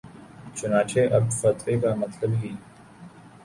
چنانچہ اب فتوے کا مطلب ہی